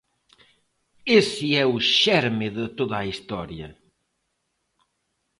Ese é o xerme de toda a historia.